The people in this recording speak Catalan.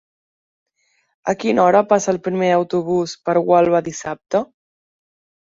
A quina hora passa el primer autobús per Gualba dissabte?